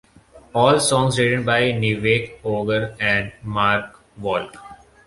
All songs written by Nivek Ogre and Mark Walk.